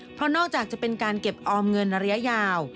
เพราะนอกจากจะเป็นการเก็บออมเงินระยะยาว